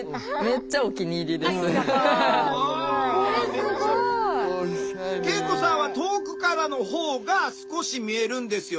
これすごい！圭永子さんは遠くからのほうが少し見えるんですよね。